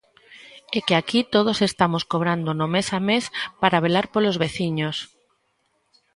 É que aquí todos estamos cobrando no mes a mes para velar polos veciños.